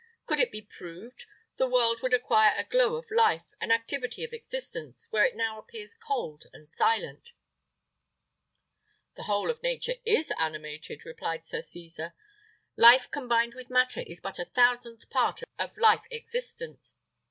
Could it be proved, the world would acquire a glow of life, and activity of existence, where it now appears cold and silent." "The whole of nature is animated," replied Sir Cesar. "Life combined with matter is but a thousandth part of life existent.